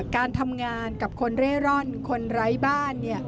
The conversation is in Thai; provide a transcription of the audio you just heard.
การทำงานกับคนเร่ร่อนคนไร้บ้าน